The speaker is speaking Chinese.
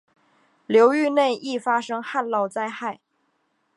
流域内易发生旱涝灾害。